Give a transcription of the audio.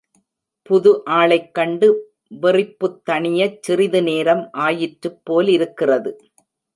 புது ஆளைக்கண்டு வெறிப்புத் தணியச் சிறிதுநேரம் ஆயிற்றுப் போலிருக்கிறது.